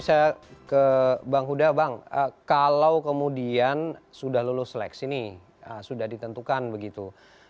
saya ke bang huda bang kalau kemudian sudah lulus seleks ini sudah ditentukan begitu